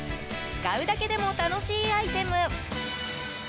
使うだけでも楽しいアイテム。